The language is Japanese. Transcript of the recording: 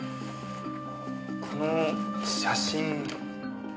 この写真。